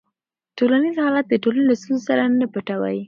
ټولنیز حالت د ټولنې له ستونزو نه پټوي.